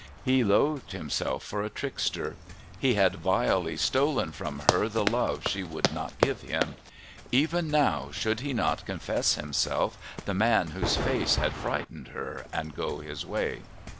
He loathed himself for a trickster. He had vilely stolen from her the love she would not give him. Even now, should he not confess himself the man whose face had frightened her, and go his way?